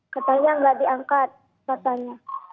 katanya nggak diangkat katanya